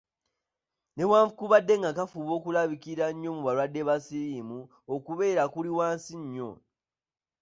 Newankubadde ng’akafuba kalabikira nnyo mu balwadde ba siriimu, okubeera kuli wansi nnyo.